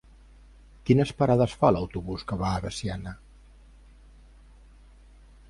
Quines parades fa l'autobús que va a Veciana?